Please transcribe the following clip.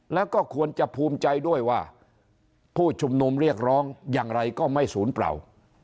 แล้วก็ควรจะภูมิใจด้วยว่าผู้ชุมนุมเรียกร้องอย่างไรก็ไม่ศูนย์เปล่า